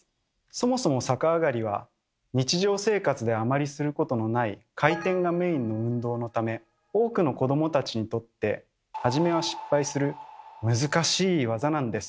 そもそも逆上がりは日常生活であまりすることのない回転がメインの運動のため多くの子どもたちにとって初めは失敗する難しい技なんです。